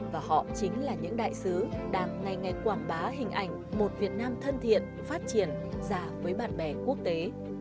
và họ chính là những đại sứ đang ngày ngày quảng bá hình ảnh một việt nam thân thiện phát triển già với bạn bè quốc tế